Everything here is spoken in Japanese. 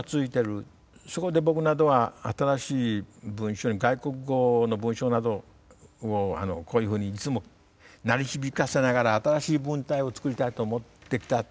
そこで僕などは新しい文章に外国語の文章などをこういうふうにいつも鳴り響かせながら新しい文体を作りたいと思ってたというのが僕なんかの仕事で。